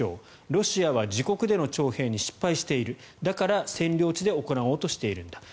ロシアは自国での徴兵に失敗しているだから、占領地で行おうとしているんだと。